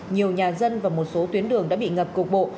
nhiều nhà dân và một số tuyến đường đã bị ngập cục bộ